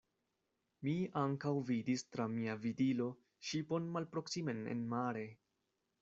Mi ankaŭ vidis tra mia vidilo ŝipon malproksimen enmare.